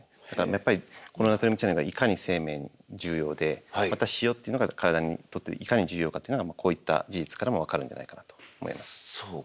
だからやっぱりこのナトリウムチャネルがいかに生命に重要でまた塩っていうのが体にとっていかに重要かっていうのがこういった事実からも分かるんじゃないかなと思います。